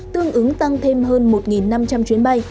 tương ứng tăng thêm hơn một năm trăm linh chuyến bay